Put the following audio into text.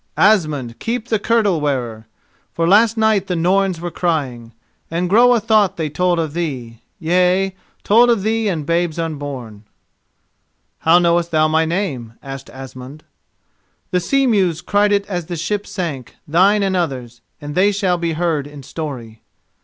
Asmund, keep the kirtle wearer, For last night the Norns were crying, And Groa thought they told of thee: Yea, told of thee and babes unborn. "How knowest thou my name?" asked Asmund. "The sea mews cried it as the ship sank, thine and others—and they shall be heard in story."